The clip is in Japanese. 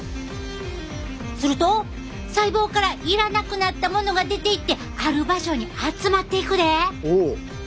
すると細胞からいらなくなったものが出ていってある場所に集まっていくで。